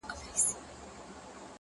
د پریان لوري. د هرات او ګندارا لوري.